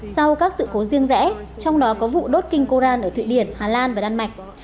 sau các sự cố riêng rẽ trong đó có vụ đốt kinh koran ở thụy điển hà lan và đan mạch